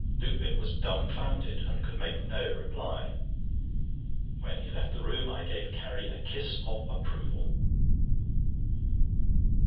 Lupin was dumbfounded, and could make no reply. When he left the room, I gave Carrie a kiss of approval.